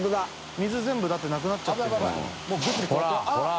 水全部だってなくなっちゃってるんですから。